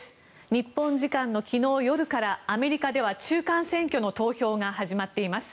日本時間の昨日夜からアメリカでは中間選挙の投票が始まっています。